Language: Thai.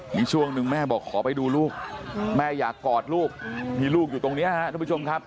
มีช่วงหนึ่งแม่บอกขอไปดูลูกแม่อยากกอดลูกมีลูกอยู่ตรงนี้ครับทุกผู้ชมครับ